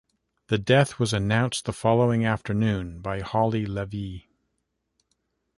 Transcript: The death was announced the following afternoon by Holly Levis.